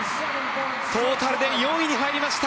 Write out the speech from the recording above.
トータルで４位に入りました。